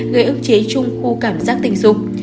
gây ức chế chung khu cảm giác tình dục